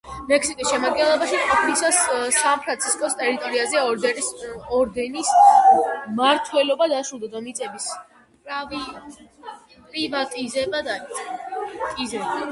მექსიკის შემადგენლობაში ყოფნისას სან-ფრანცისკოს ტერიტორიაზე ორდენის მმართველობა დასრულდა და მიწების პრივატიზება დაიწყო.